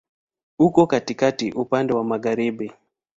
Uko katikati, upande wa magharibi.